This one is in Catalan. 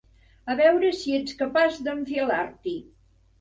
A veure si ets capaç d'enfilar-t'hi.